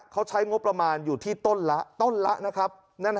เขาใช้งบประมาณอยู่ที่ต้นละต้นละนะครับ